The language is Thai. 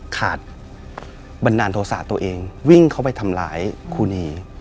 ขาดบันดาลโทษะตัวเองวิ่งเข้าไปทำร้ายครูนี